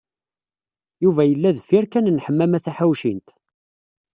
Yuba yella deffir kan n Ḥemmama Taḥawcint.